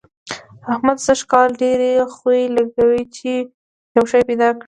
احمد سږ کال ډېرې خوې لګوي چي يو شی پيدا کړي.